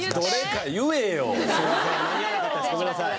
すいません間に合わなかったですごめんなさい。